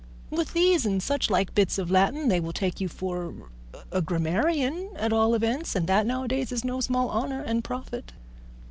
_ "With these and such like bits of Latin they will take you for a grammarian at all events, and that now a days is no small honour and profit.